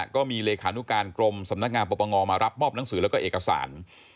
ก็มีเลขานุการกรมสำนักงานปปงมารับมอบหนังสือแล้วก็เอกสาร